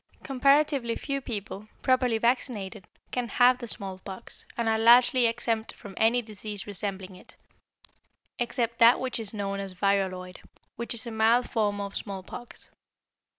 Comparatively few people, properly vaccinated, can have the smallpox, and are largely exempt from any disease resembling it, except that which is known as varioloid, which is a mild form of smallpox.